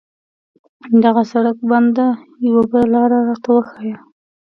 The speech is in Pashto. دغه سړک بند ده، یوه بله لار راته وښایه.